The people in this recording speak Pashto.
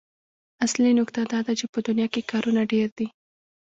اصلي نکته دا ده چې په دنيا کې کارونه ډېر دي.